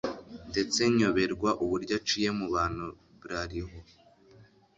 ndetse nyoberwa uburyo aciye mubantu brarho